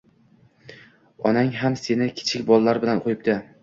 Onang ham seni kichik bolalar bilan qo’yibdi.